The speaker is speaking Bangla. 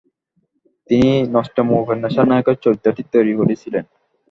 তিনি নস্ট্রোমো উপন্যাসের নায়কের চরিত্রটি তৈরি করেছিলেন।